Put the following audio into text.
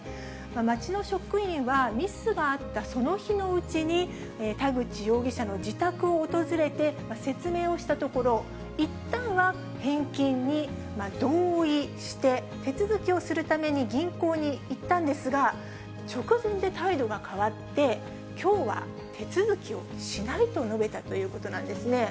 町の職員はミスがあったその日のうちに、田口容疑者の自宅を訪れて説明をしたところ、いったんは返金に同意して、手続きをするために銀行に行ったんですが、直前で態度が変わって、きょうは手続きをしないと述べたということなんですね。